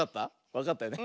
わかったよね。